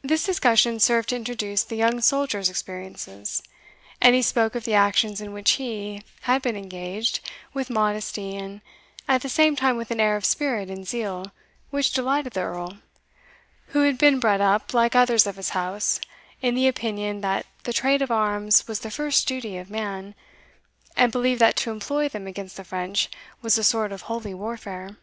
This discussion served to introduce the young soldier's experiences; and he spoke of the actions in which he, had been engaged, with modesty, and at the same time with an air of spirit and zeal which delighted the Earl, who had been bred up, like others of his house, in the opinion that the trade of arms was the first duty of man, and believed that to employ them against the French was a sort of holy warfare.